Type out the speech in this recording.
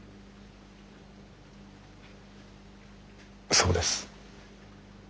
そうです。